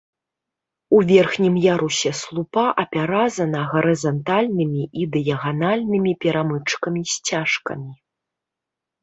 У верхнім ярусе слупа апяразана гарызантальнымі і дыяганальнымі перамычкамі-сцяжкамі.